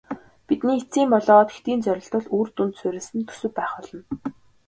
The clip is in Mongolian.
Бидний эцсийн болоод хэтийн зорилт бол үр дүнд суурилсан төсөв байх болно.